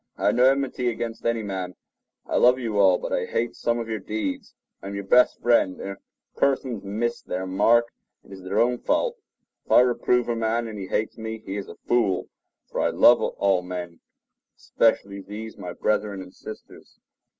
I have no enmity against any man. I love you all; but I hate some of your deeds. I am your best friend, and if persons miss their mark it is their own fault. If I reprove a man, and he hates me, he is a fool; for I love all men, especially these my brethren and sisters.